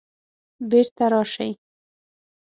بیرته راشئ